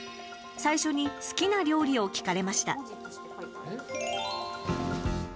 最初に好きな料理を聞かれました。